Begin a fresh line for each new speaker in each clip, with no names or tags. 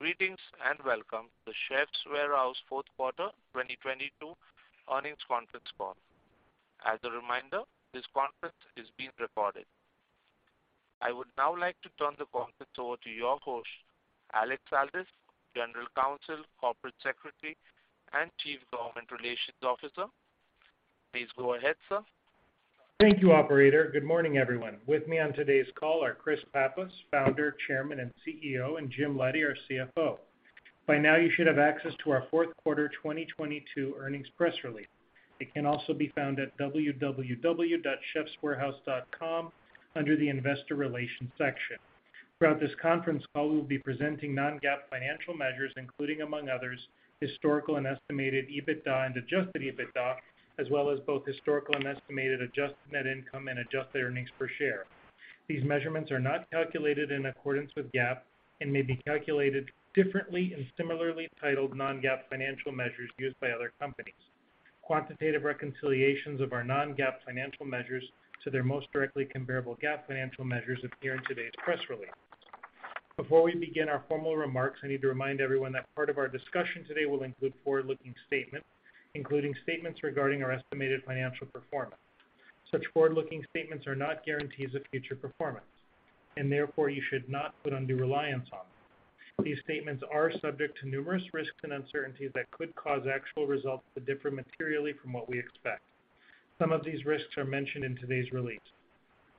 Greetings, welcome to The Chefs' Warehouse fourth quarter 2022 earnings conference call. As a reminder, this conference is being recorded. I would now like to turn the conference over to your host, Alex Aldous, General Counsel, Corporate Secretary, and Chief Government Relations Officer. Please go ahead, sir.
Thank you, operator. Good morning, everyone. With me on today's call are Chris Pappas, Founder, Chairman, and CEO, and Jim Leddy, our CFO. By now you should have access to our fourth quarter 2022 earnings press release. It can also be found at www.chefswarehouse.com under the investor relations section. Throughout this conference call, we'll be presenting non-GAAP financial measures, including among others, historical and estimated EBITDA and adjusted EBITDA, as well as both historical and estimated adjusted net income and adjusted earnings per share. These measurements are not calculated in accordance with GAAP and may be calculated differently in similarly titled non-GAAP financial measures used by other companies. Quantitative reconciliations of our non-GAAP financial measures to their most directly comparable GAAP financial measures appear in today's press release. Before we begin our formal remarks, I need to remind everyone that part of our discussion today will include forward-looking statements, including statements regarding our estimated financial performance. Such forward-looking statements are not guarantees of future performance, and therefore, you should not put undue reliance on them. These statements are subject to numerous risks and uncertainties that could cause actual results to differ materially from what we expect. Some of these risks are mentioned in today's release.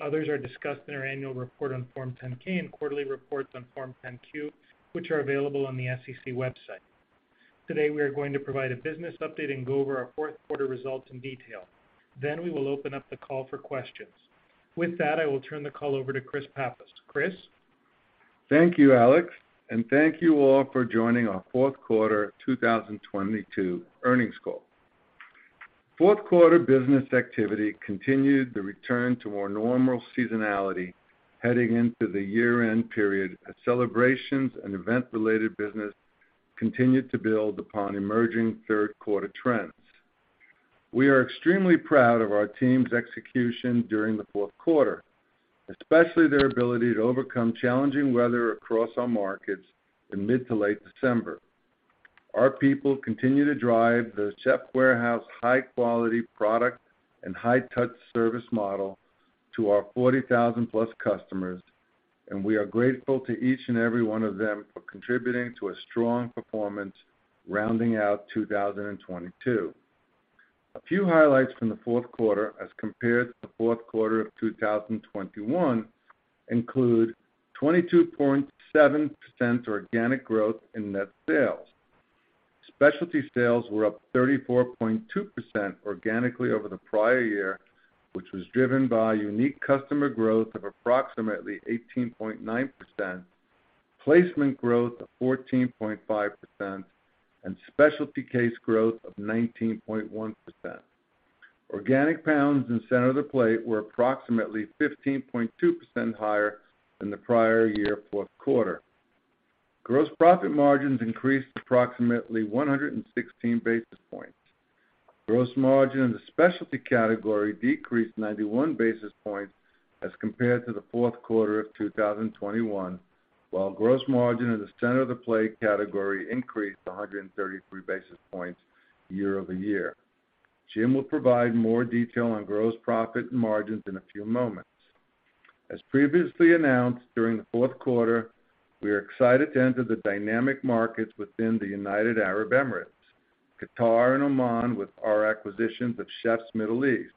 Others are discussed in our annual report on Form 10-K and quarterly reports on Form 10-Q, which are available on the SEC website. Today, we are going to provide a business update and go over our fourth quarter results in detail. We will open up the call for questions. With that, I will turn the call over to Chris Pappas. Chris.
Thank you, Alex. Thank you all for joining our fourth quarter 2022 earnings call. Fourth quarter business activity continued the return to more normal seasonality heading into the year-end period as celebrations and event-related business continued to build upon emerging third quarter trends. We are extremely proud of our team's execution during the fourth quarter, especially their ability to overcome challenging weather across our markets in mid to late December. Our people continue to drive The Chefs' Warehouse high-quality product and high-touch service model to our 40,000-plus customers, and we are grateful to each and every one of them for contributing to a strong performance rounding out 2022. A few highlights from the fourth quarter as compared to the fourth quarter of 2021 include 22.7% organic growth in net sales. Specialty sales were up 34.2% organically over the prior year, which was driven by unique customer growth of approximately 18.9%, placement growth of 14.5%, and specialty case growth of 19.1%. Organic pounds in center of the plate were approximately 15.2% higher than the prior year fourth quarter. Gross profit margins increased approximately 116 basis points. Gross margin in the specialty category decreased 91 basis points as compared to the fourth quarter of 2021, while gross margin in the center of the plate category increased 133 basis points year-over-year. Jim will provide more detail on gross profit and margins in a few moments. As previously announced, during the fourth quarter, we are excited to enter the dynamic markets within the United Arab Emirates, Qatar, and Oman with our acquisitions of Chef Middle East.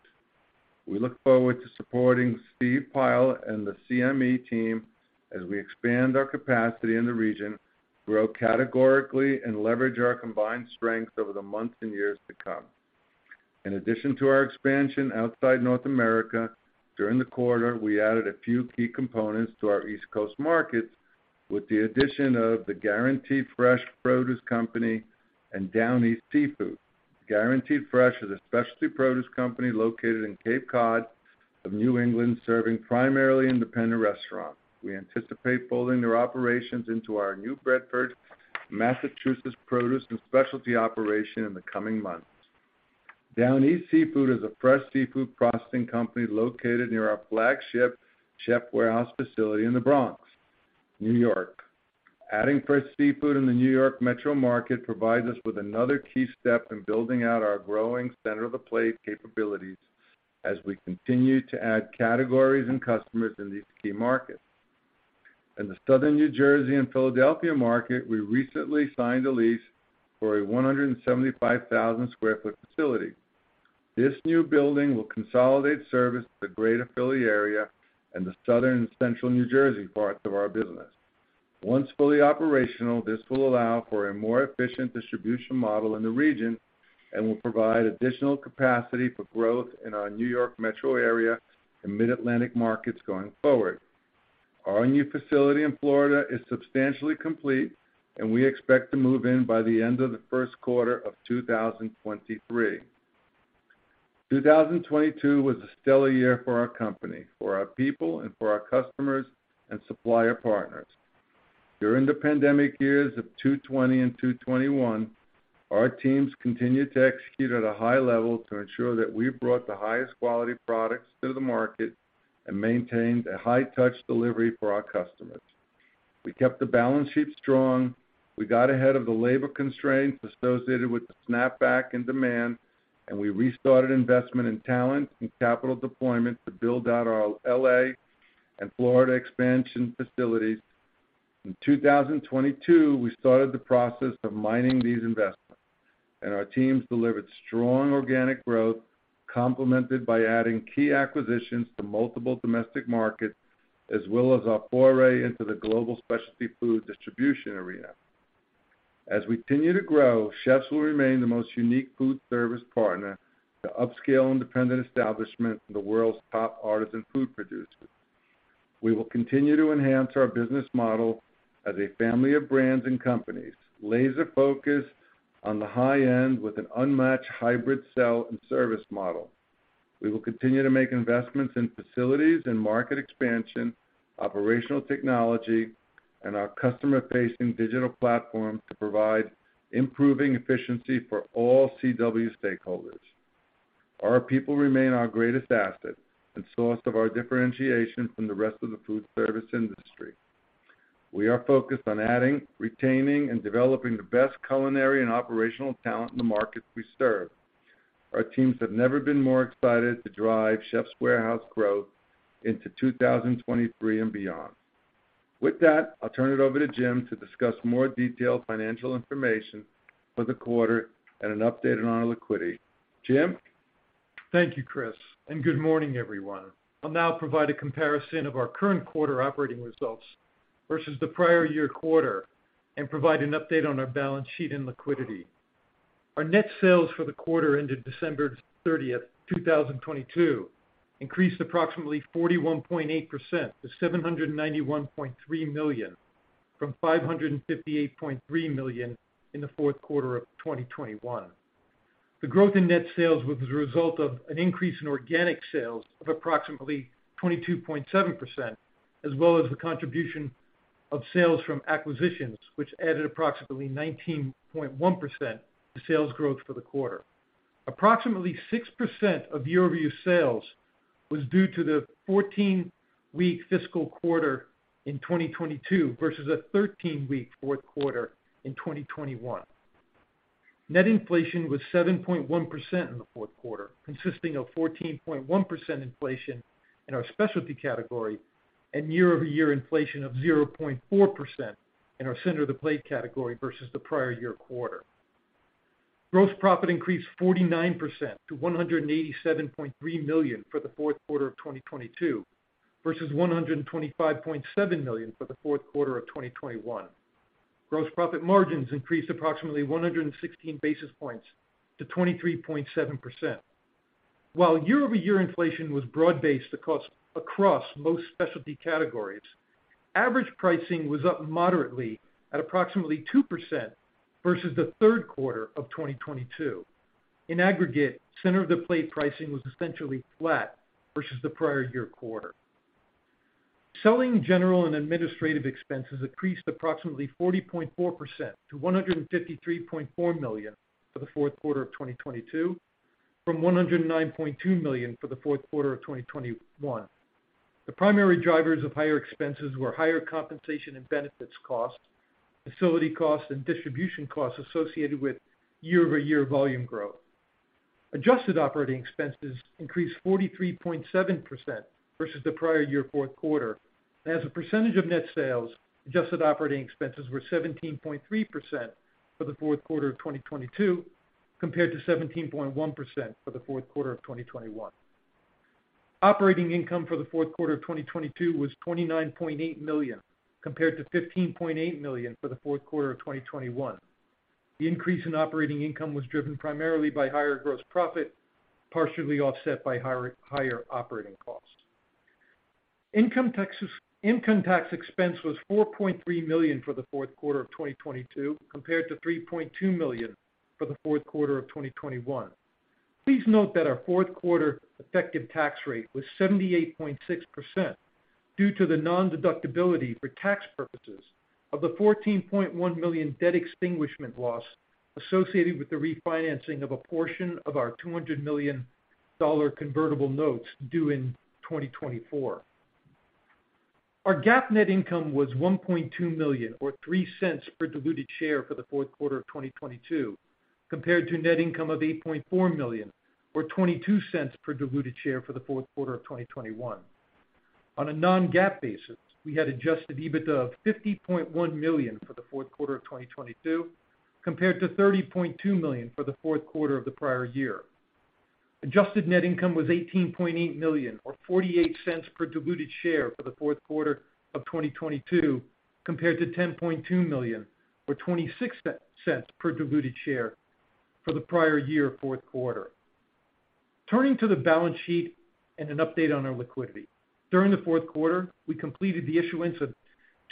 We look forward to supporting Steve Pyle and the CME team as we expand our capacity in the region, grow categorically, and leverage our combined strengths over the months and years to come. In addition to our expansion outside North America, during the quarter, we added a few key components to our East Coast markets with the addition of the Guaranteed Fresh Produce Company and Down East Seafood. Guaranteed Fresh is a specialty produce company located in Cape Cod of New England, serving primarily independent restaurants. We anticipate folding their operations into our New Bedford, Massachusetts, produce and specialty operation in the coming months. Down East Seafood is a fresh seafood processing company located near our flagship The Chefs' Warehouse facility in the Bronx, New York. Adding fresh seafood in the New York metro market provides us with another key step in building out our growing center of the plate capabilities as we continue to add categories and customers in these key markets. In the southern New Jersey and Philadelphia market, we recently signed a lease for a 175,000 sq ft facility. This new building will consolidate service to the greater Philly area and the southern and central New Jersey parts of our business. Once fully operational, this will allow for a more efficient distribution model in the region and will provide additional capacity for growth in our New York metro area and Mid-Atlantic markets going forward. Our new facility in Florida is substantially complete, and we expect to move in by the end of the first quarter of 2023. 2022 was a stellar year for our company, for our people, and for our customers and supplier partners. During the pandemic years of 2020 and 2021, our teams continued to execute at a high level to ensure that we brought the highest quality products to the market and maintained a high-touch delivery for our customers. We kept the balance sheet strong. We got ahead of the labor constraints associated with the snapback and demand, and we restarted investment in talent and capital deployment to build out our L.A. and Florida expansion facilities. In 2022, we started the process of mining these investments. Our teams delivered strong organic growth, complemented by adding key acquisitions to multiple domestic markets as well as our foray into the global specialty food distribution arena. As we continue to grow, Chefs' will remain the most unique food service partner to upscale independent establishment and the world's top artisan food producers. We will continue to enhance our business model as a family of brands and companies, laser-focused on the high end with an unmatched hybrid sell and service model. We will continue to make investments in facilities and market expansion, operational technology, and our customer facing digital platform to provide improving efficiency for all CW stakeholders. Our people remain our greatest asset and source of our differentiation from the rest of the food service industry. We are focused on adding, retaining, and developing the best culinary and operational talent in the markets we serve. Our teams have never been more excited to drive Chefs' Warehouse growth into 2023 and beyond. With that, I'll turn it over to Jim to discuss more detailed financial information for the quarter and an update on our liquidity. Jim?
Thank you, Chris, and good morning, everyone. I'll now provide a comparison of our current quarter operating results versus the prior year quarter and provide an update on our balance sheet and liquidity. Our net sales for the quarter ended December 30, 2022, increased approximately 41.8% to $791.3 million, from $558.3 million in the fourth quarter of 2021. The growth in net sales was a result of an increase in organic sales of approximately 22.7%, as well as the contribution of sales from acquisitions, which added approximately 19.1% to sales growth for the quarter. Approximately 6% of year-over-year sales was due to the 14-week fiscal quarter in 2022 versus a 13-week fourth quarter in 2021. Net inflation was 7.1% in the fourth quarter, consisting of 14.1% inflation in our specialty category and year-over-year inflation of 0.4% in our center of the plate category versus the prior year quarter. Gross profit increased 49% to $187.3 million for the fourth quarter of 2022 versus $125.7 million for the fourth quarter of 2021. Gross profit margins increased approximately 116 basis points to 23.7%. While year-over-year inflation was broad-based across most specialty categories, average pricing was up moderately at approximately 2% versus the third quarter of 2022. In aggregate, center of the plate pricing was essentially flat versus the prior year quarter. Selling general and administrative expenses increased approximately 40.4% to $153.4 million for the fourth quarter of 2022 from $109.2 million for the fourth quarter of 2021. The primary drivers of higher expenses were higher compensation and benefits costs, facility costs, and distribution costs associated with year-over-year volume growth. Adjusted operating expenses increased 43.7% versus the prior year fourth quarter. As a percentage of net sales, adjusted operating expenses were 17.3% for the fourth quarter of 2022, compared to 17.1% for the fourth quarter of 2021. Operating income for the fourth quarter of 2022 was $29.8 million, compared to $15.8 million for the fourth quarter of 2021. The increase in operating income was driven primarily by higher gross profit, partially offset by higher operating costs. Income tax expense was $4.3 million for the fourth quarter of 2022, compared to $3.2 million for the fourth quarter of 2021. Please note that our fourth quarter effective tax rate was 78.6% due to the nondeductibility for tax purposes of the $14.1 million debt extinguishment loss associated with the refinancing of a portion of our $200 million convertible notes due in 2024. Our GAAP net income was $1.2 million or $0.03 per diluted share for the fourth quarter of 2022, compared to net income of $8.4 million or $0.22 per diluted share for the fourth quarter of 2021. On a non-GAAP basis, we had adjusted EBITDA of $50.1 million for the fourth quarter of 2022, compared to $30.2 million for the fourth quarter of the prior year. Adjusted net income was $18.8 million or $0.48 per diluted share for the fourth quarter of 2022, compared to $10.2 million or $0.26 per diluted share for the prior year fourth quarter. Turning to the balance sheet and an update on our liquidity. During the fourth quarter, we completed the issuance of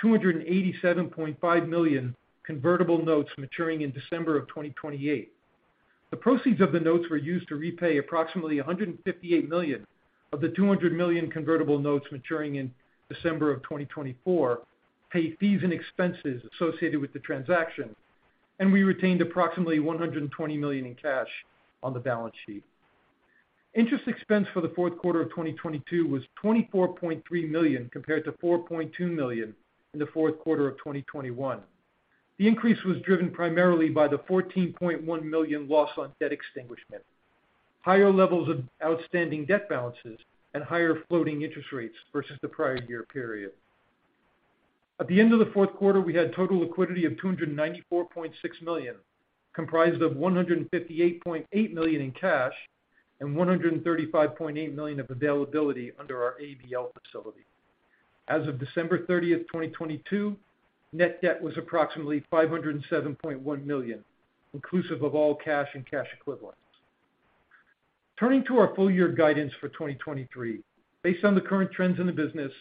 $287.5 million convertible notes maturing in December of 2028. The proceeds of the notes were used to repay approximately $158 million of the $200 million convertible notes maturing in December of 2024, pay fees and expenses associated with the transaction, and we retained approximately $120 million in cash on the balance sheet. Interest expense for the fourth quarter of 2022 was $24.3 million compared to $4.2 million in the fourth quarter of 2021. The increase was driven primarily by the $14.1 million loss on debt extinguishment, higher levels of outstanding debt balances, and higher floating interest rates versus the prior year period. At the end of the fourth quarter, we had total liquidity of $294.6 million, comprised of $158.8 million in cash and $135.8 million of availability under our ABL facility. As of December 30th, 2022, net debt was approximately $507.1 million, inclusive of all cash and cash equivalents. Turning to our full year guidance for 2023. Based on the current trends in the business,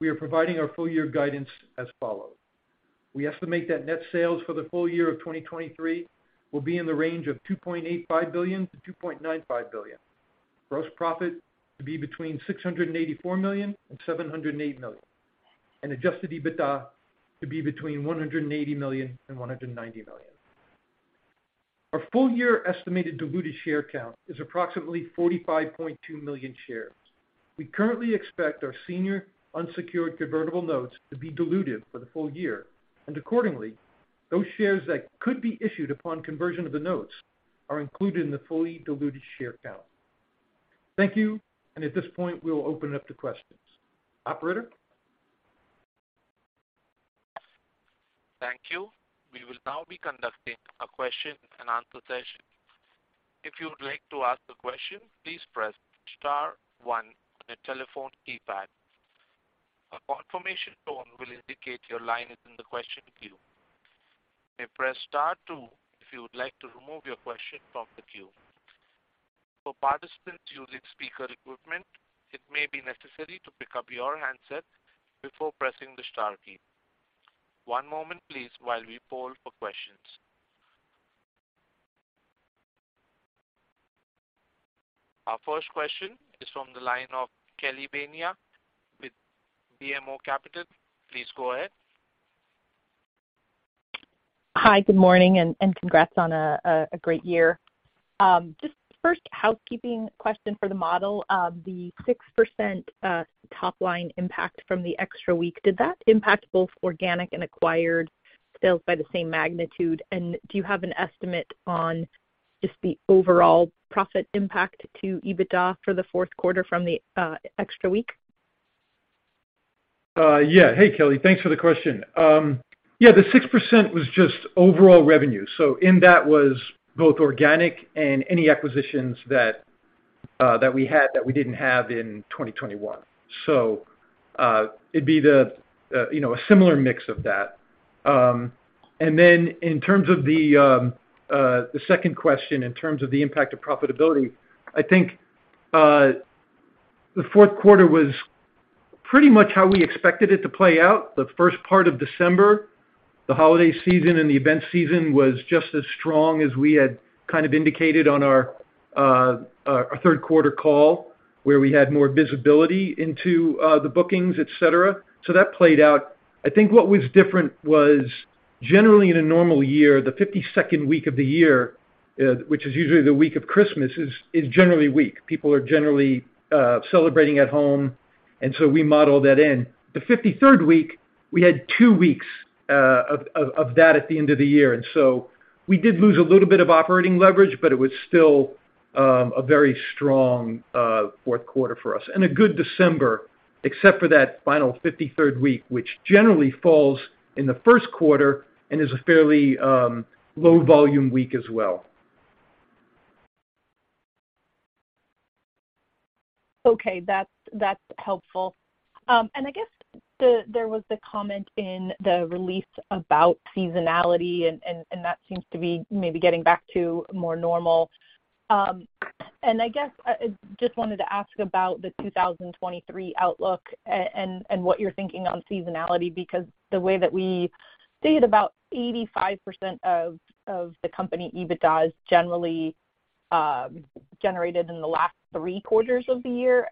we are providing our full year guidance as follows. We estimate that net sales for the full year of 2023 will be in the range of $2.85 billion-$2.95 billion. Gross profit to be between $684 million and $708 million. Adjusted EBITDA to be between $180 million and $190 million. Our full year estimated diluted share count is approximately 45.2 million shares. We currently expect our senior unsecured convertible notes to be diluted for the full year, and accordingly, those shares that could be issued upon conversion of the notes are included in the fully diluted share count. Thank you. At this point, we'll open up to questions. Operator?
Thank you. We will now be conducting a question and answer session. If you would like to ask a question, please press star one on your telephone keypad. A confirmation tone will indicate your line is in the question queue. You may press star two if you would like to remove your question from the queue. For participants using speaker equipment, it may be necessary to pick up your handset before pressing the star key. One moment please while we poll for questions. Our first question is from the line of Kelly Bania with BMO Capital. Please go ahead.
Hi, good morning, and congrats on a great year. Just first housekeeping question for the model. The 6% top-line impact from the extra week, did that impact both organic and acquired sales by the same magnitude? Do you have an estimate on just the overall profit impact to EBITDA for the fourth quarter from the extra week?
Yeah. Hey, Kelly. Thanks for the question. The 6% was just overall revenue. In that was both organic and any acquisitions that we had that we didn't have in 2021. It'd be the, you know, a similar mix of that. In terms of the second question, in terms of the impact of profitability, I think the fourth quarter was pretty much how we expected it to play out. The first part of December, the holiday season and the event season was just as strong as we had kind of indicated on our third quarter call, where we had more visibility into the bookings, et cetera. That played out. I think what was different was generally in a normal year, the 52nd week of the year, which is usually the week of Christmas, is generally weak. People are generally celebrating at home. We model that in. The 53rd week, we had two weeks of that at the end of the year. We did lose a little bit of operating leverage, but it was still a very strong 4th quarter for us. A good December, except for that final 53rd week, which generally falls in the 1st quarter and is a fairly low volume week as well.
Okay. That's, that's helpful. I guess there was the comment in the release about seasonality and that seems to be maybe getting back to more normal. I guess I just wanted to ask about the 2023 outlook and what you're thinking on seasonality, because the way that we think about 85% of the company EBITDA is generally generated in the last three quarters of the year.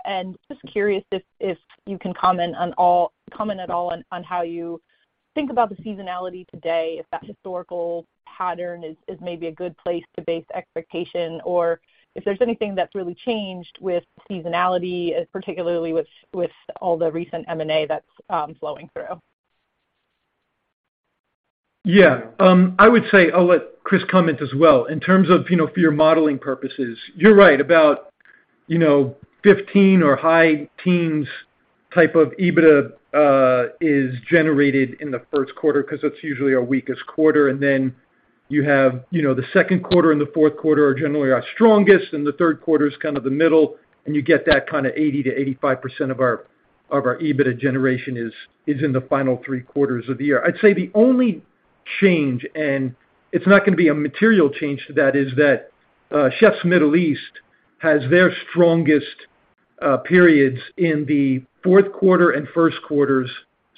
Just curious if you can comment at all on how you think about the seasonality today, if that historical pattern is maybe a good place to base expectation or if there's anything that's really changed with seasonality, particularly with all the recent M&A that's flowing through.
Yeah. I would say I'll let Chris comment as well. In terms of, you know, for your modeling purposes, you're right about, you know, 15 or high teens type of EBITDA is generated in the first quarter 'cause that's usually our weakest quarter. You have, you know, the second quarter and the fourth quarter are generally our strongest, the third quarter is kind of the middle, you get that kinda 80%-85% of our, of our EBITDA generation is in the final three quarters of the year. I'd say the only change, it's not gonna be a material change to that, is that Chef Middle East has their strongest periods in the fourth quarter and first quarters.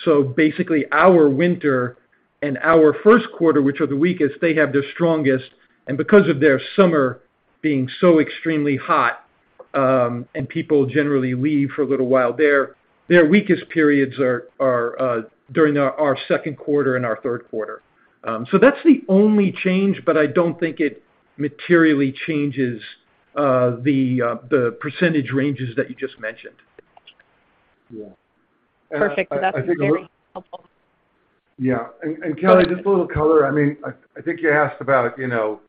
So basically our winter and our first quarter, which are the weakest, they have their strongest. Because of their summer being so extremely hot, and people generally leave for a little while, their weakest periods are during our second quarter and our third quarter. That's the only change, but I don't think it materially changes the percentage ranges that you just mentioned.
Yeah.
Perfect. That's very helpful.
Yeah. Kelly, just a little color. I mean, I think you asked about, you know,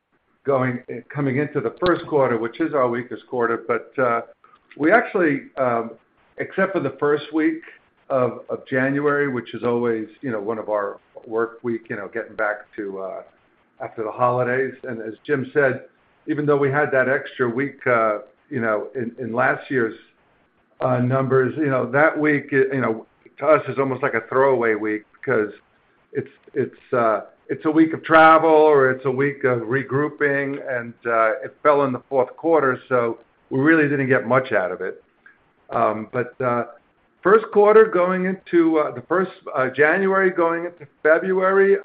coming into the first quarter, which is our weakest quarter. We actually, except for the first week of January, which is always, you know, one of our work week getting back to after the holidays. As Jim said, even though we had that extra week, you know, in last year's numbers, you know, that week to us is almost like a throwaway week because it's a week of travel, or it's a week of regrouping, and it fell in the fourth quarter, so we really didn't get much out of it. First quarter going into January going into February,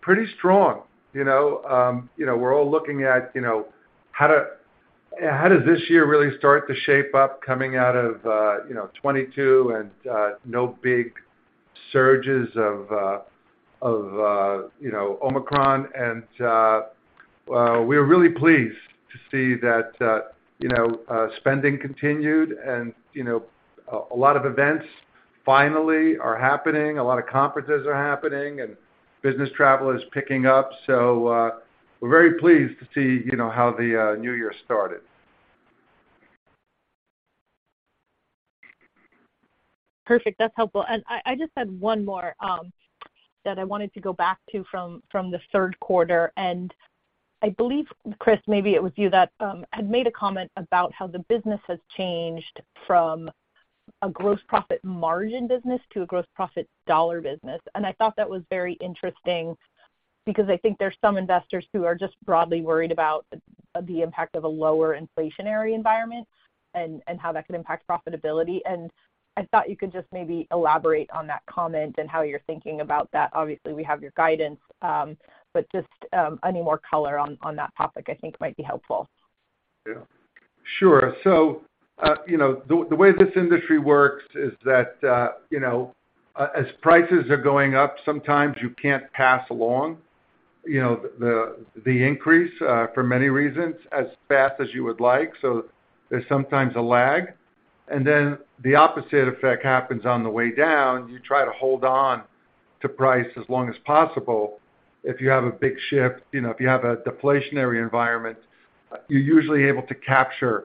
pretty strong, you know? You know, we're all looking at, you know, how does this year really start to shape up coming out of, you know, 2022 and no big surges of, you know, Omicron. We're really pleased to see that, you know, spending continued and, you know, a lot of events finally are happening, a lot of conferences are happening, and business travel is picking up. We're very pleased to see, you know, how the new year started.
Perfect. That's helpful. I just had one more that I wanted to go back to from the third quarter. I believe, Chris, maybe it was you that had made a comment about how the business has changed from a gross profit margin business to a gross profit dollar business. I thought that was very interesting because I think there's some investors who are just broadly worried about the impact of a lower inflationary environment and how that could impact profitability. I thought you could just maybe elaborate on that comment and how you're thinking about that. Obviously, we have your guidance, but just any more color on that topic I think might be helpful.
Yeah, sure. You know, the way this industry works is that, you know, as prices are going up, sometimes you can't pass along, you know, the increase for many reasons, as fast as you would like. There's sometimes a lag. The opposite effect happens on the way down. You try to hold on to price as long as possible. If you have a big shift, you know, if you have a deflationary environment, you're usually able to capture a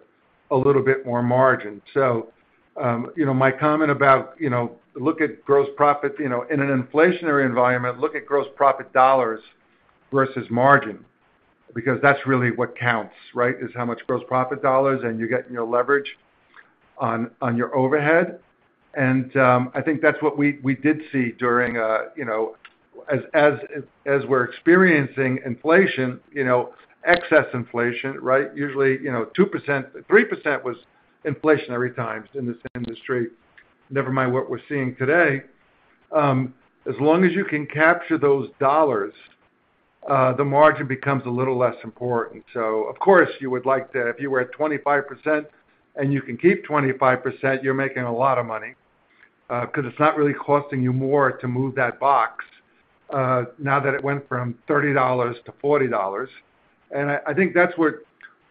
little bit more margin. You know, my comment about, you know, look at gross profit, you know, in an inflationary environment, look at gross profit dollars versus margin, because that's really what counts, right? Is how much gross profit dollars and you're getting your leverage on your overhead. I think that's what we did see during, you know, as we're experiencing inflation, you know, excess inflation, right? Usually, you know, 2%, 3% was inflationary times in this industry, never mind what we're seeing today. As long as you can capture those dollars, the margin becomes a little less important. Of course, if you were at 25% and you can keep 25%, you're making a lot of money, 'cause it's not really costing you more to move that box, now that it went from $30 to $40. I think that's what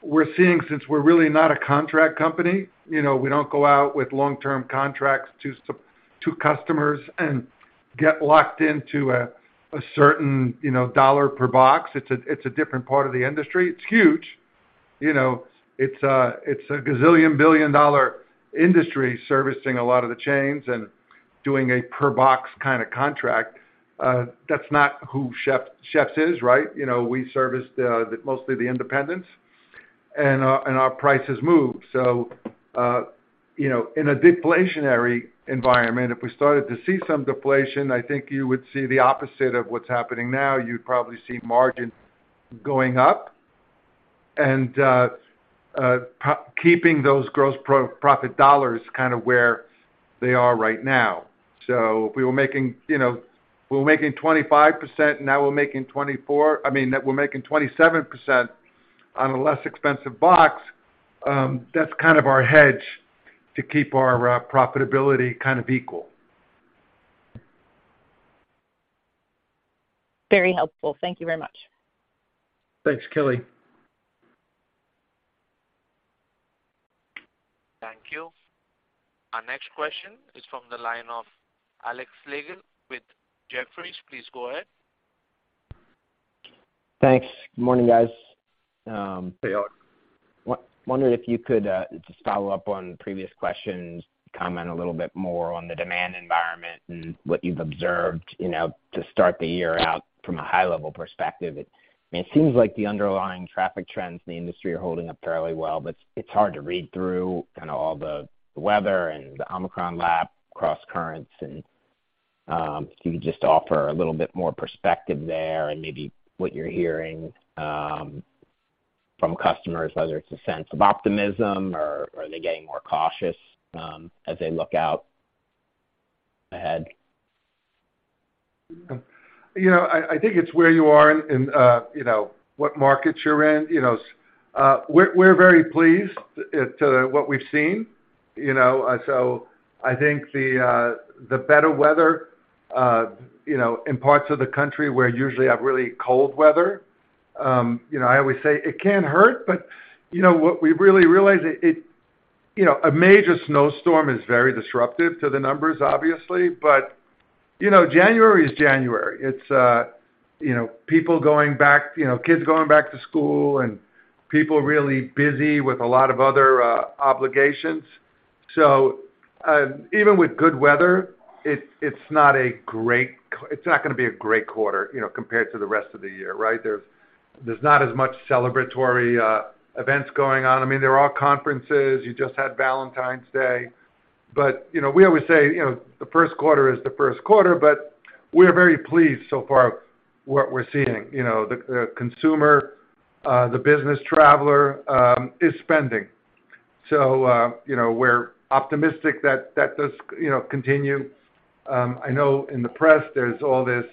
we're seeing since we're really not a contract company. You know, we don't go out with long-term contracts to customers and get locked into a certain, you know, dollar per box. It's a different part of the industry. It's huge. You know, it's a gazillion billion dollar industry servicing a lot of the chains and doing a per box kind of contract. That's not who Chefs' is, right? You know, we service mostly the independents, and our prices move. You know, in a deflationary environment, if we started to see some deflation, I think you would see the opposite of what's happening now. You'd probably see margin going up and keeping those gross pro-profit dollars kind of where they are right now. We were making, you know, we were making 25%, now we're making— I mean, that we're making 27% on a less expensive box. That's kind of our hedge to keep our profitability kind of equal.
Very helpful. Thank you very much.
Thanks, Kelly.
Thank you. Our next question is from the line of Alex Slagle with Jefferies. Please go ahead.
Thanks. Good morning, guys.
Hey, Alex.
Wondering if you could just follow up on previous questions, comment a little bit more on the demand environment and what you've observed, you know, to start the year out from a high level perspective. It, I mean, it seems like the underlying traffic trends in the industry are holding up fairly well, but it's hard to read through kinda all the weather and the Omicron lap crosscurrents and if you could just offer a little bit more perspective there and maybe what you're hearing from customers, whether it's a sense of optimism or, are they getting more cautious, as they look out ahead?
You know, I think it's where you are and, you know, what markets you're in. You know, we're very pleased at what we've seen, you know. I think the better weather, you know, in parts of the country where usually have really cold weather, you know, I always say it can't hurt, but, you know, what we really realize, you know, a major snowstorm is very disruptive to the numbers, obviously. You know, January is January. It's, you know, people going back to school and people really busy with a lot of other obligations. Even with good weather, it's not gonna be a great quarter, you know, compared to the rest of the year, right? There's not as much celebratory events going on. I mean, there are conferences. You just had Valentine's Day. You know, we always say, you know, the first quarter is the first quarter, but we're very pleased so far what we're seeing. You know, the consumer, the business traveler is spending. You know, we're optimistic that that does, you know, continue. I know in the press there's all this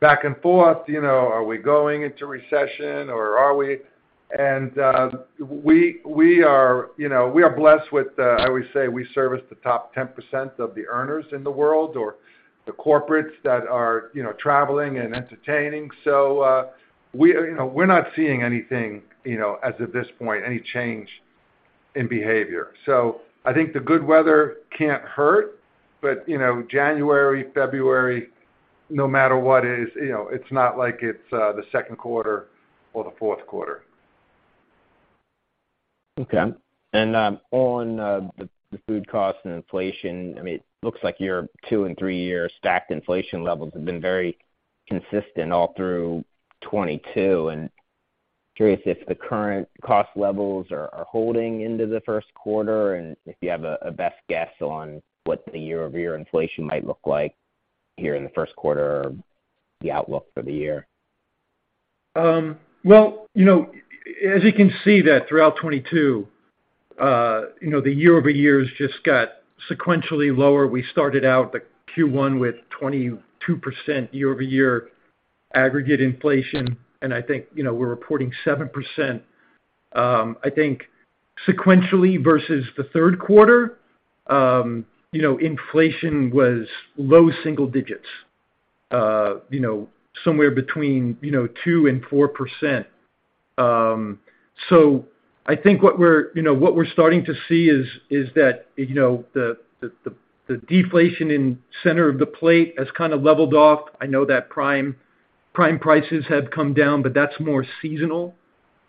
back and forth, you know, are we going into recession or are we? We are, you know, we are blessed with, I always say we service the top 10% of the earners in the world or the corporates that are, you know, traveling and entertaining. We, you know, we're not seeing anything, you know, as of this point, any change in behavior. I think the good weather can't hurt. You know, January, February, no matter what is, you know, it's not like it's the second quarter or the fourth quarter.
Okay. On the food cost and inflation, I mean, it looks like your two and three-year stacked inflation levels have been very consistent all through 2022. Curious if the current cost levels are holding into the first quarter and if you have a best guess on what the year-over-year inflation might look like here in the first quarter or the outlook for the year.
Well, as you can see that throughout 2022, the year-over-year has just got sequentially lower. We started out the Q1 with 22% year-over-year aggregate inflation, I think we're reporting 7%. I think sequentially versus the third quarter, inflation was low single digits, somewhere between 2% and 4%. I think what we're what we're starting to see is that the deflation in center of the plate has kind of leveled off. I know that prime prices have come down, but that's more seasonal,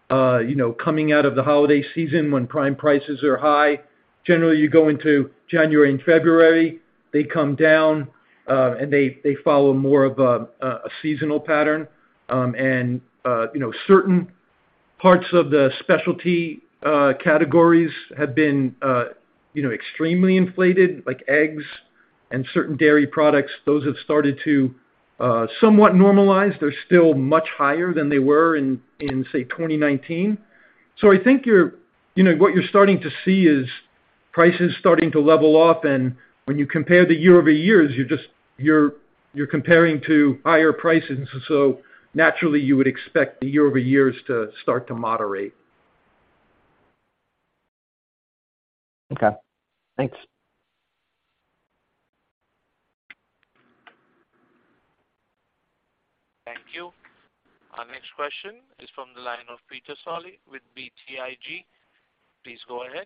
coming out of the holiday season when prime prices are high. Generally, you go into January and February, they come down, they follow more of a seasonal pattern. You know, certain parts of the specialty categories have been, you know, extremely inflated, like eggs and certain dairy products. Those have started to somewhat normalize. They're still much higher than they were in, say, 2019. I think, you know, what you're starting to see is prices starting to level off. When you compare the year-over-years, you're just comparing to higher prices. Naturally, you would expect the year-over-years to start to moderate.
Okay. Thanks.
Thank you. Our next question is from the line of Peter Saleh with BTIG. Please go ahead.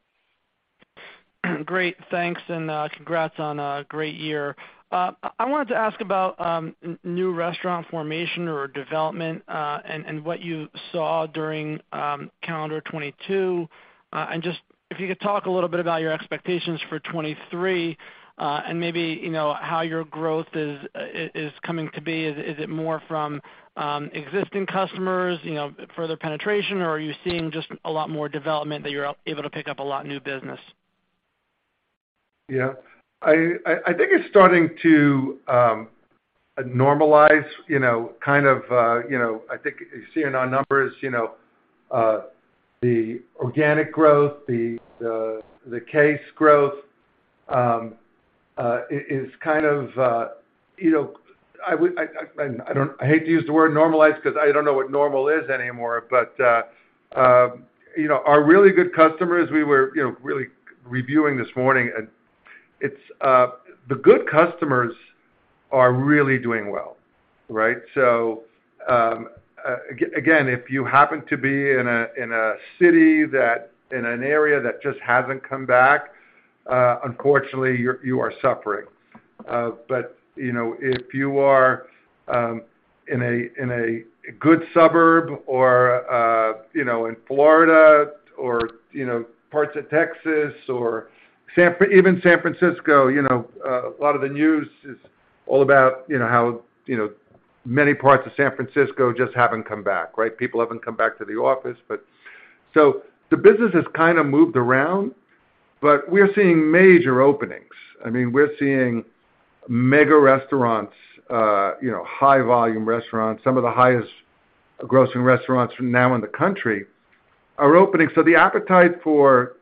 Great. Thanks, congrats on a great year. I wanted to ask about new restaurant formation or development, and what you saw during calendar 2022. Just if you could talk a little bit about your expectations for 2023, and maybe, you know, how your growth is coming to be. Is it more from existing customers, you know, further penetration, or are you seeing just a lot more development that you're able to pick up a lot new business?
Yeah. I think it's starting to normalize, you know, kind of, you know, I think seeing our numbers, you know, the organic growth, the case growth, is kind of, you know, I hate to use the word normalize because I don't know what normal is anymore. You know, our really good customers, we were, you know, really reviewing this morning, and it's the good customers are really doing well, right? Again, if you happen to be in an area that just hasn't come back, unfortunately, you are suffering. You know, if you are in a good suburb or, you know, in Florida or, you know, parts of Texas or even San Francisco, you know. A lot of the news is all about, you know, how, you know, many parts of San Francisco just haven't come back, right? People haven't come back to the office. The business has kind of moved around, but we're seeing major openings. I mean, we're seeing mega restaurants, high volume restaurants. Some of the highest grossing restaurants now in the country are opening. The appetite for,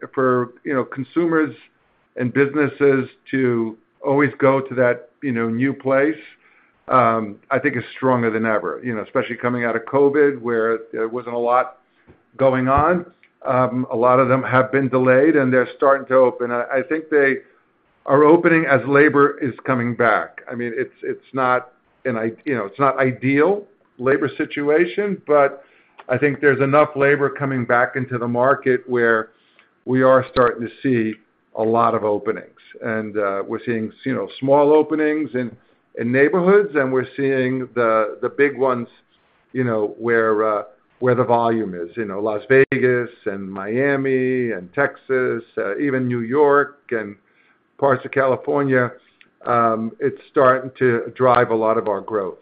you know, consumers and businesses to always go to that, you know, new place, I think is stronger than ever, you know, especially coming out of COVID, where there wasn't a lot going on. A lot of them have been delayed, and they're starting to open. I think they are opening as labor is coming back. I mean, it's not ideal labor situation, but I think there's enough labor coming back into the market, where we are starting to see a lot of openings. We're seeing you know, small openings in neighborhoods, and we're seeing the big ones, you know, where the volume is. You know, Las Vegas and Miami and Texas, even New York and parts of California, it's starting to drive a lot of our growth.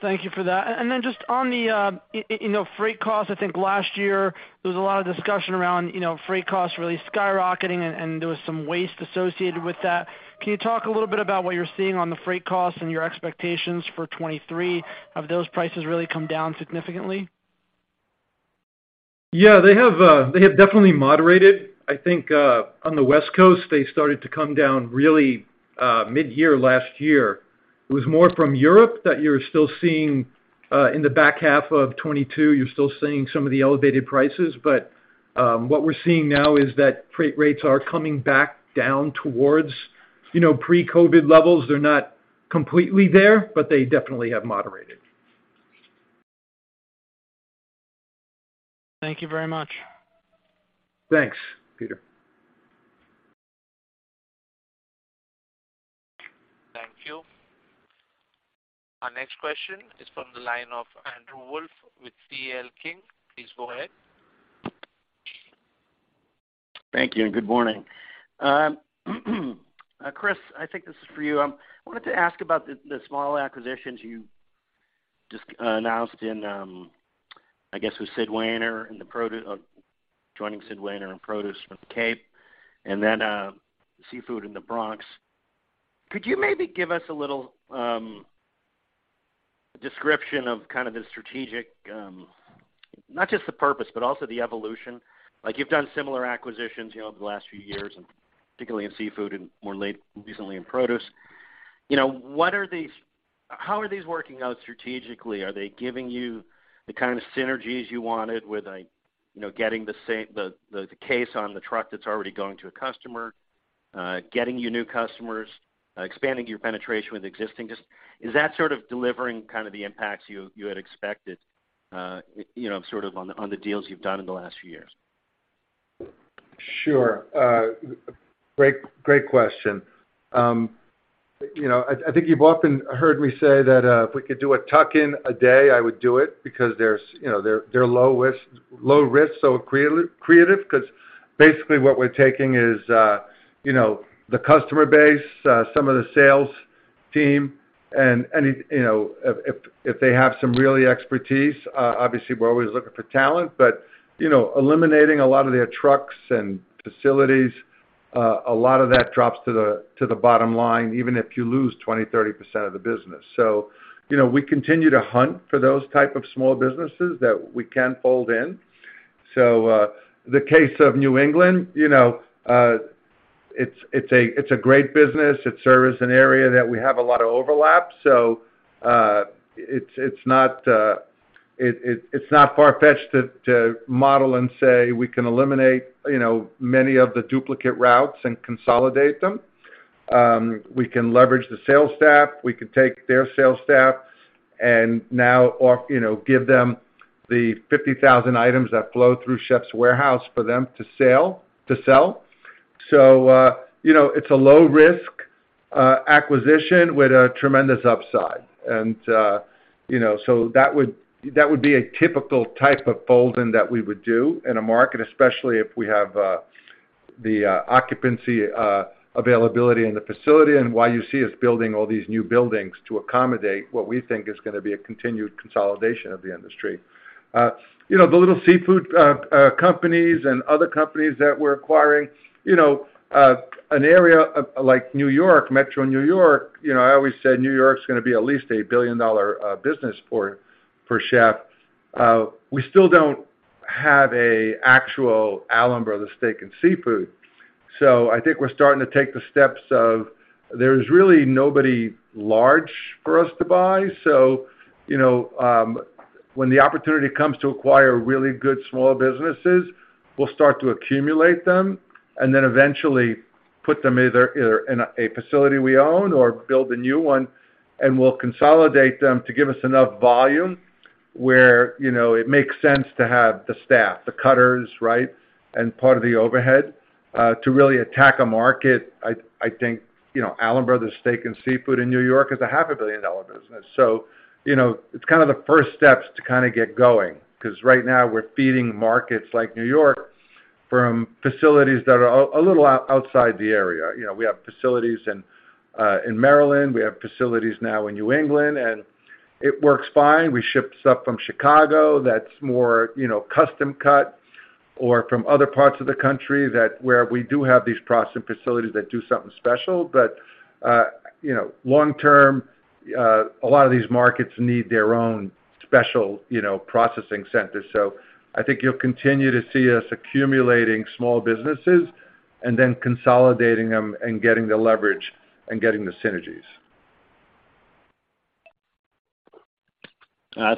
Thank you for that. Then just on the, you know, freight costs, I think last year there was a lot of discussion around, you know, freight costs really skyrocketing, and there was some waste associated with that. Can you talk a little bit about what you're seeing on the freight costs and your expectations for 2023? Have those prices really come down significantly?
Yeah. They have, they have definitely moderated. I think, on the West Coast, they started to come down really mid-year last year. It was more from Europe that you're still seeing, in the back half of 2022, you're still seeing some of the elevated prices. What we're seeing now is that freight rates are coming back down towards you know pre-COVID levels. They're not completely there, but they definitely have moderated.
Thank you very much.
Thanks, Peter.
Thank you. Our next question is from the line of Andrew Wolf with C.L. King. Please go ahead.
Thank you. Good morning. Chris, I think this is for you. Wanted to ask about the small acquisitions you just announced in, I guess with Sid Wainer and joining Sid Wainer in produce with the Cape and then seafood in the Bronx. Could you maybe give us a little description of kind of the strategic, not just the purpose, but also the evolution? Like, you've done similar acquisitions, you know, over the last few years, and particularly in seafood and more recently in produce. You know, how are these working out strategically? Are they giving you the kind of synergies you wanted with, like, you know, getting the case on the truck that's already going to a customer, getting you new customers, expanding your penetration with existing? Just is that sort of delivering kind of the impacts you had expected, you know, sort of on the, on the deals you've done in the last few years?
Sure. Great question. You know, I think you've often heard me say that if we could do a tuck-in a day, I would do it because there's, you know, they're low risk. Creative 'cause basically what we're taking is, you know, the customer base, some of the sales team and any, you know, if they have some really expertise, obviously we're always looking for talent. You know, eliminating a lot of their trucks and facilities, a lot of that drops to the bottom line, even if you lose 20%, 30% of the business. You know, we continue to hunt for those type of small businesses that we can fold in. The case of New England, you know, it's a great business. It serves an area that we have a lot of overlap, it's not far-fetched to model and say we can eliminate, you know, many of the duplicate routes and consolidate them. We can leverage the sales staff. We can take their sales staff and now, you know, give them the 50,000 items that flow through Chefs' Warehouse for them to sell. You know, it's a low risk acquisition with a tremendous upside. You know, that would be a typical type of fold in that we would do in a market, especially if we have the occupancy availability in the facility and why you see us building all these new buildings to accommodate what we think is gonna be a continued consolidation of the industry. you know, the little seafood companies and other companies that we're acquiring, you know, an area like New York, Metro New York, you know, I always said New York's gonna be at least a $1 billion business for Chef. We still don't have a actual Allen Brothers Steak and Seafood. I think we're starting to take the steps of there's really nobody large for us to buy. you know, when the opportunity comes to acquire really good small businesses, we'll start to accumulate them and then eventually put them either in a facility we own or build a new one, and we'll consolidate them to give us enough volume where, you know, it makes sense to have the staff, the cutters, right, and part of the overhead to really attack a market. I think, you know, Allen Brothers Steak and Seafood in New York is a half a billion dollar business. You know, it's kind of the first steps to kind of get going, 'cause right now we're feeding markets like New York.
From facilities that are a little outside the area. You know, we have facilities in Maryland, we have facilities now in New England, it works fine. We ship stuff from Chicago that's more, you know, custom cut or from other parts of the country that where we do have these processing facilities that do something special. You know, long term, a lot of these markets need their own special, you know, processing centers. I think you'll continue to see us accumulating small businesses and then consolidating them and getting the leverage and getting the synergies.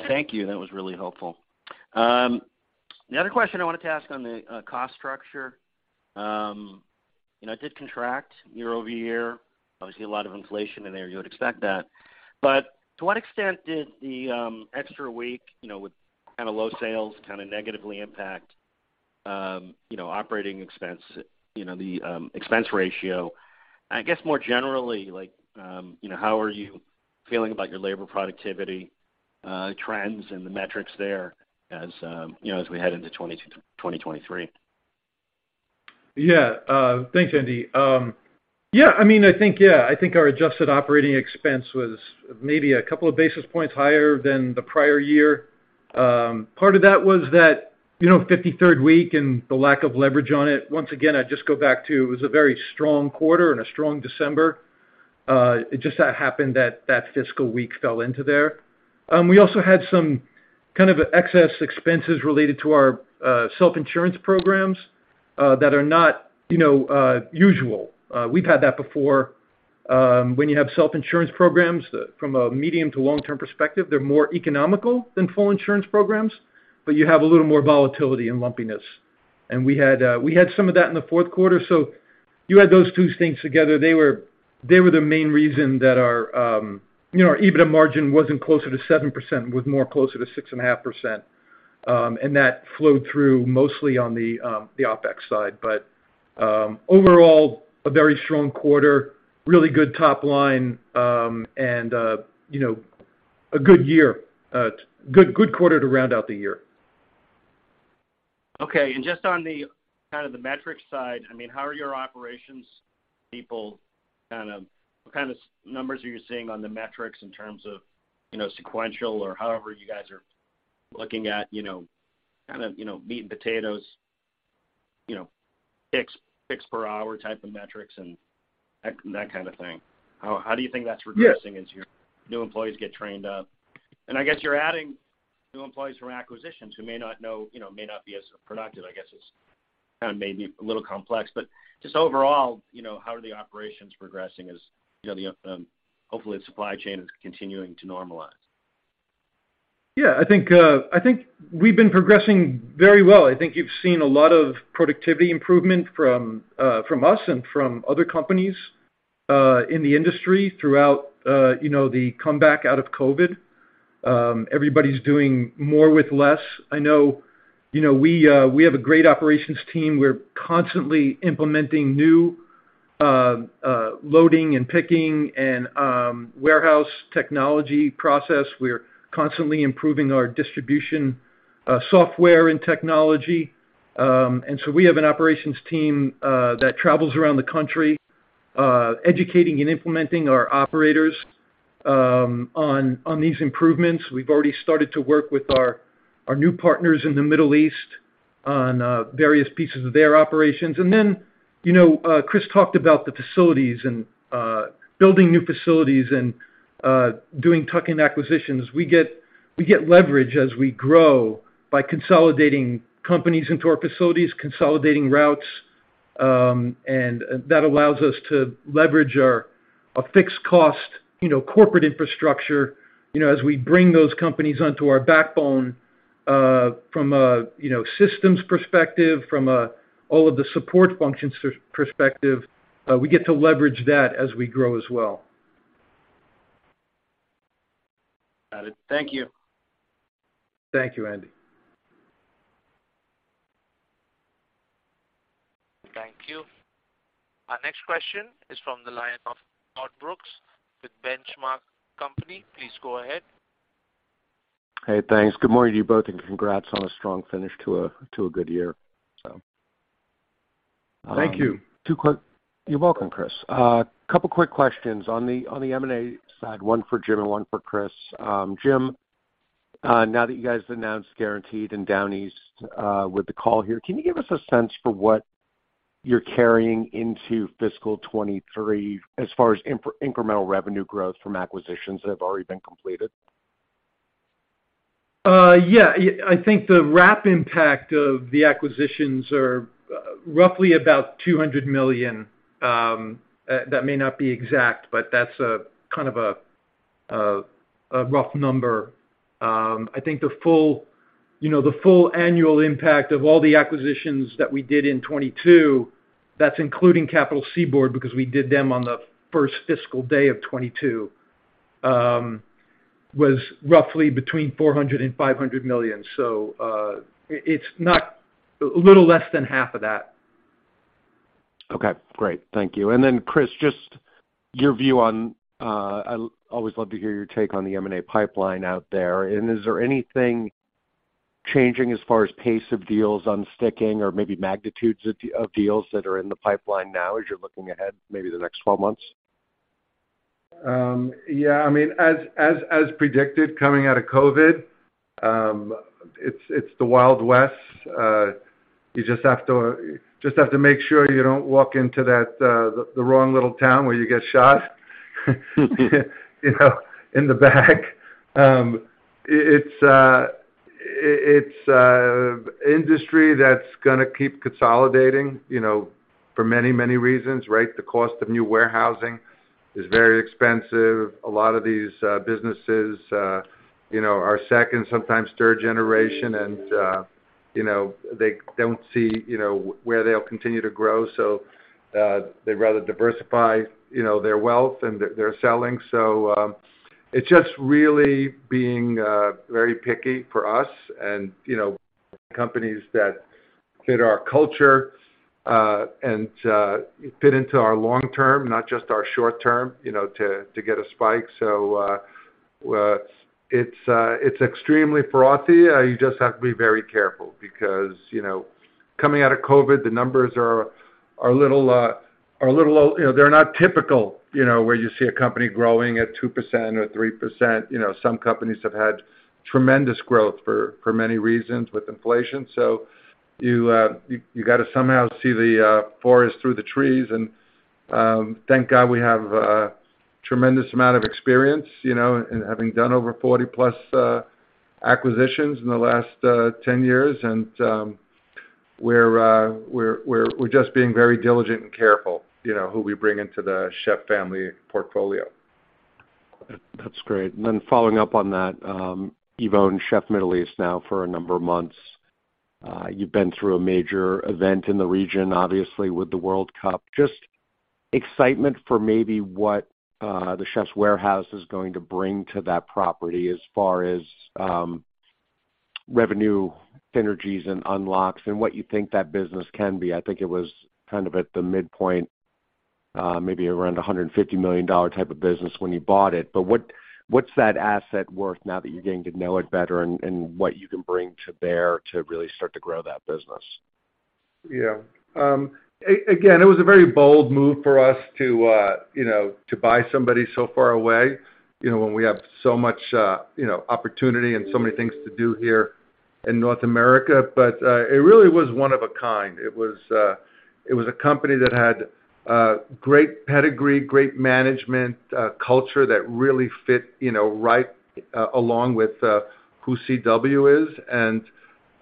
Thank you. That was really helpful. The other question I wanted to ask on the cost structure. It did contract year-over-year. Obviously, a lot of inflation in there, you would expect that. To what extent did the extra week, you know, with kinda low sales kinda negatively impact, you know, operating expense, you know, the expense ratio? I guess more generally, like, you know, how are you feeling about your labor productivity trends and the metrics there as, you know, as we head into 2023?
Yeah. Thanks, Andy. Yeah, I mean, I think, yeah, I think our adjusted operating expense was maybe a couple of basis points higher than the prior year. Part of that was that, you know, 53rd week and the lack of leverage on it. Once again, I just go back to it was a very strong quarter and a strong December. It just so happened that that fiscal week fell into there. We also had some kind of excess expenses related to our self-insurance programs that are not, you know, usual. We've had that before. When you have self-insurance programs, from a medium to long-term perspective, they're more economical than full insurance programs, but you have a little more volatility and lumpiness. We had some of that in the fourth quarter. You add those two things together, they were the main reason that our, you know, our EBITDA margin wasn't closer to 7%, it was more closer to 6.5%. That flowed through mostly on the OpEx side. Overall, a very strong quarter, really good top-line, and, you know, a good year. Good quarter to round out the year.
Okay. Just on the kind of the metric side, I mean, how are your operations people kind of... What kind of numbers are you seeing on the metrics in terms of, you know, sequential or however you guys are looking at, you know, kind of, you know, meat and potatoes, you know, picks per hour type of metrics and that kind of thing. How do you think that's progressing?
Yeah...
as your new employees get trained up? I guess you're adding new employees from acquisitions who may not know, you know, may not be as productive, I guess, is kind of maybe a little complex. Just overall, you know, how are the operations progressing as, you know, the, hopefully the supply chain is continuing to normalize?
I think we've been progressing very well. I think you've seen a lot of productivity improvement from us and from other companies in the industry throughout, you know, the comeback out of COVID. Everybody's doing more with less. I know, you know, we have a great operations team. We're constantly implementing new loading and picking and warehouse technology process. We're constantly improving our distribution software and technology. We have an operations team that travels around the country educating and implementing our operators on these improvements. We've already started to work with our new partners in the Middle East on various pieces of their operations. You know, Chris talked about the facilities and building new facilities and doing tuck-in acquisitions. We get leverage as we grow by consolidating companies into our facilities, consolidating routes. That allows us to leverage our fixed cost, you know, corporate infrastructure, you know, as we bring those companies onto our backbone, from a, you know, systems perspective, from a all of the support functions perspective. We get to leverage that as we grow as well.
Got it. Thank you.
Thank you, Andy.
Thank you. Our next question is from the line of Todd Brooks with Benchmark Company. Please go ahead.
Hey, thanks. Good morning to you both, and congrats on a strong finish to a good year, so.
Thank you.
You're welcome, Chris. A couple quick questions. On the M&A side, one for Jim and one for Chris. Jim, now that you guys announced Guaranteed and Downeast with the call here, can you give us a sense for what you're carrying into fiscal 2023 as far as incremental revenue growth from acquisitions that have already been completed?
Yeah. I think the RAP impact of the acquisitions are roughly about $200 million. That may not be exact, but that's a kind of a rough number. I think the full, you know, the full annual impact of all the acquisitions that we did in 2022, that's including Capital Seaboard, because we did them on the first fiscal day of 2022, was roughly between $400 million-$500 million. It's not a little less than half of that.
Okay, great. Thank you. Chris, just your view on, I always love to hear your take on the M&A pipeline out there. Is there anything changing as far as pace of deals unsticking or maybe magnitudes of deals that are in the pipeline now as you're looking ahead, maybe the next 12 months?
Yeah, I mean, as, as predicted, coming out of COVID, it's the Wild West. You just have to make sure you don't walk into that, the wrong little town where you get shot you know, in the back. It's, it's a industry that's gonna keep consolidating, you know, for many, many reasons, right? The cost of new warehousing is very expensive. A lot of these businesses, you know, are second, sometimes third generation, and, you know, they don't see, you know, where they'll continue to grow. They'd rather diversify, you know, their wealth and they're selling. It's just really being very picky for us and, you know, companies that fit our culture and fit into our long term, not just our short term, you know, to get a spike. It's extremely frothy. You just have to be very careful because, you know, coming out of COVID, the numbers are a little, you know, they're not typical, you know, where you see a company growing at 2% or 3%. You know, some companies have had tremendous growth for many reasons with inflation. You, you gotta somehow see the forest through the trees. Thank God we have tremendous amount of experience, you know, in having done over 40-plus acquisitions in the last 10 years. We're just being very diligent and careful, you know, who we bring into the Chef family portfolio.
That's great. Following up on that, you've owned Chef Middle East now for a number of months. You've been through a major event in the region, obviously with the World Cup. Just excitement for maybe what the Chefs' Warehouse is going to bring to that property as far as revenue synergies and unlocks and what you think that business can be. I think it was kind of at the midpoint, maybe around a $150 million type of business when you bought it. What, what's that asset worth now that you're getting to know it better and what you can bring to bear to really start to grow that business?
Yeah. again, it was a very bold move for us to, you know, to buy somebody so far away, you know, when we have so much, you know, opportunity and so many things to do here in North America. It really was one of a kind. It was a company that had great pedigree, great management, culture that really fit, you know, right along with who CW is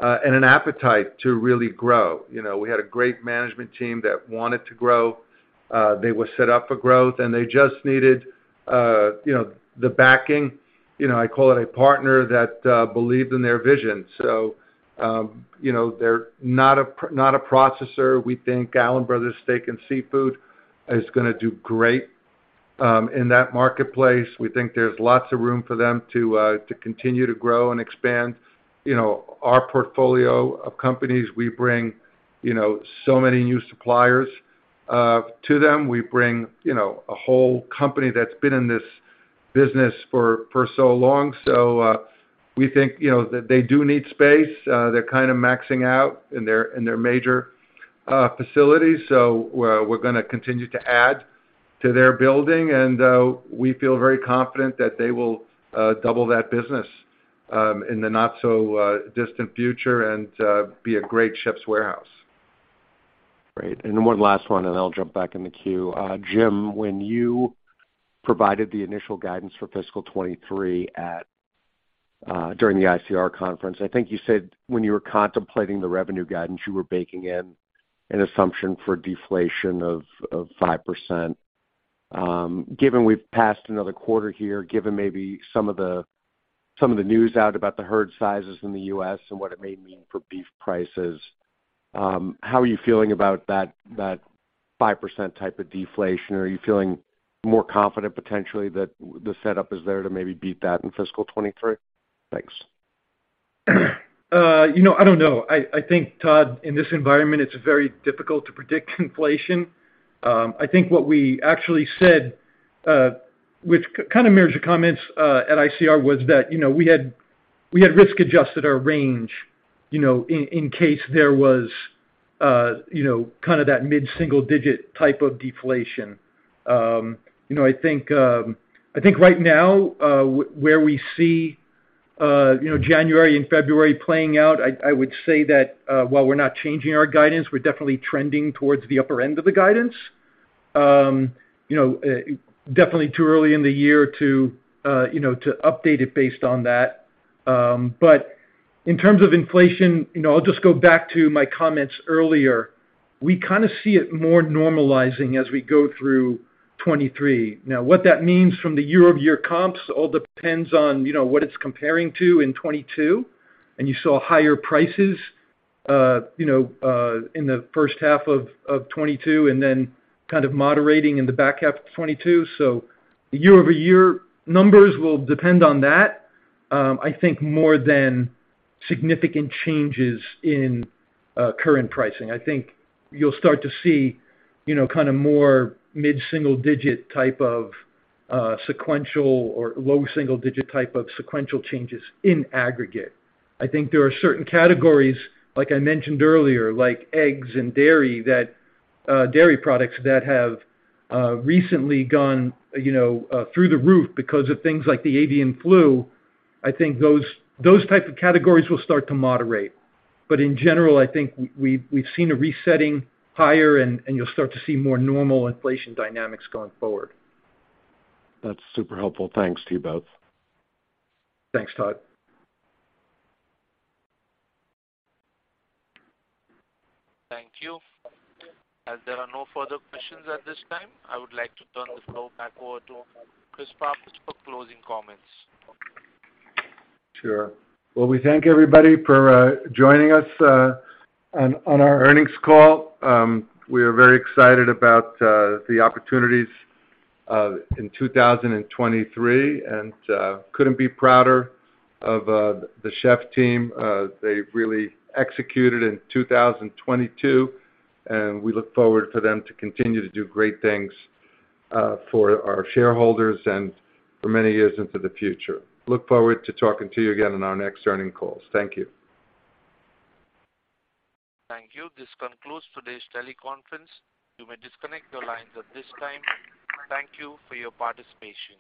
and an appetite to really grow. You know, we had a great management team that wanted to grow. They were set up for growth, and they just needed, you know, the backing. You know, I call it a partner that believed in their vision. they're not a not a processor. We think Allen Brothers Steak and Seafood is gonna do great in that marketplace. We think there's lots of room for them to continue to grow and expand. You know, our portfolio of companies, we bring, you know, so many new suppliers to them. We bring, you know, a whole company that's been in this business for so long. We think, you know, that they do need space. They're kind of maxing out in their, in their major facilities. We're gonna continue to add to their building. We feel very confident that they will double that business in the not so distant future and be a great Chef's Warehouse.
Great. One last one, and then I'll jump back in the queue. Jim, when you provided the initial guidance for fiscal 2023 at during the ICR Conference, I think you said when you were contemplating the revenue guidance, you were baking in an assumption for deflation of 5%. Given we've passed another quarter here, given maybe some of the news out about the herd sizes in the U.S. and what it may mean for beef prices, how are you feeling about that 5% type of deflation? Are you feeling more confident potentially that the setup is there to maybe beat that in fiscal 2023? Thanks.
You know, I don't know. I think, Todd, in this environment it's very difficult to predict inflation. I think what we actually said, which kind of mirrors your comments, at ICR, was that, you know, we had risk-adjusted our range, you know, in case there was, you know, kind of that mid-single digit type of deflation. You know, I think I think right now, where we see, you know, January and February playing out, I would say that, while we're not changing our guidance, we're definitely trending towards the upper end of the guidance. You know, definitely too early in the year to, you know, to update it based on that. In terms of inflation, you know, I'll just go back to my comments earlier. We kinda see it more normalizing as we go through 2023. Now, what that means from the year-over-year comps all depends on, you know, what it's comparing to in 2022. You saw higher prices, you know, in the first half of 2022 and then kind of moderating in the back half of 2022. Year-over-year numbers will depend on that, I think more than significant changes in current pricing. I think you'll start to see, you know, kind of more mid-single-digit type of sequential or low-single-digit type of sequential changes in aggregate. I think there are certain categories, like I mentioned earlier, like eggs and dairy that dairy products that have recently gone, you know, through the roof because of things like the avian flu. I think those type of categories will start to moderate. In general, I think we've seen a resetting higher and you'll start to see more normal inflation dynamics going forward.
That's super helpful. Thanks to you both.
Thanks, Todd.
Thank you. As there are no further questions at this time, I would like to turn the floor back over to Chris Pappas for closing comments.
Sure. Well, we thank everybody for joining us on our earnings call. We are very excited about the opportunities in 2023, and couldn't be prouder of the Chef team. They've really executed in 2022, and we look forward for them to continue to do great things for our shareholders and for many years into the future. Look forward to talking to you again on our next earnings calls. Thank you.
Thank you. This concludes today's teleconference. You may disconnect your lines at this time. Thank you for your participation.